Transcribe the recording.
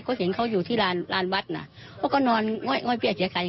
ก็เห็นเขาอยู่ที่ลานวัดนะ